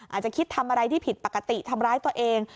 อาจจะคิดทำอะไรที่ผิดปกติทำร้ายตัวเอง